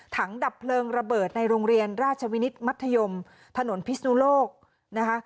ดับเพลิงระเบิดในโรงเรียนราชวินิตมัธยมถนนพิศนุโลกนะคะ